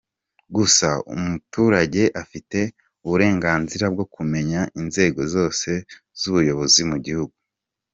Gusa umuturage afite uburenganzira bwo kumenya inzego zose z’ubuyobozi mu gihugu.